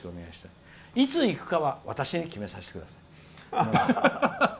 いつ行くかは私に決めさせてください。